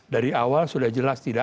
dari awal sudah jelas tidak